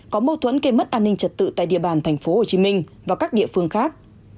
có mâu thuẫn gây mất an ninh trật tự tại địa bàn tp hcm và các địa phương khác